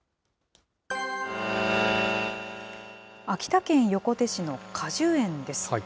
秋田県横手市の果樹園です。